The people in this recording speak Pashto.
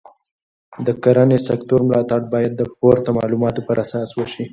د کرنې سکتور ملاتړ باید د پورته معلوماتو پر اساس وشي.